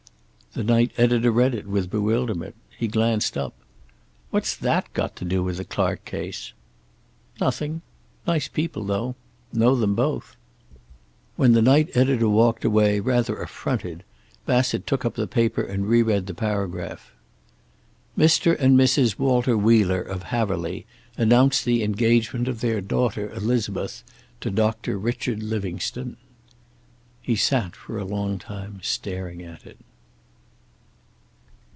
The night editor read it with bewilderment. He glanced up. "What's that got to do with the Clark case?" "Nothing. Nice people, though. Know them both." When the night editor walked away, rather affronted, Bassett took up the paper and reread the paragraph. "Mr. and Mrs. Walter Wheeler, of Haverly, announce the engagement of their daughter, Elizabeth, to Doctor Richard Livingstone." He sat for a long time staring at it.